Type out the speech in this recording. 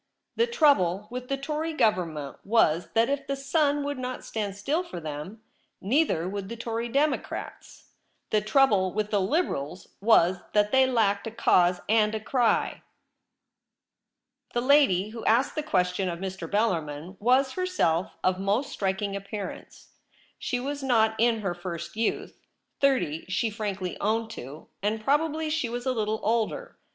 The trouble with the Tory Government was that if the sun would not stand still for them, neither would the Tory Democrats. The trouble with the Liberals was that they la:jked a cause and a cry. The lady who asked the question of Mr. Bellarmin was herself of most striking appear ance. She was not in her first youth — thirty she frankly owned to, and probably she was a little older.